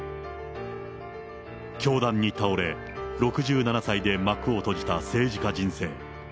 凶弾に倒れ、６７歳で幕を閉じた政治家人生。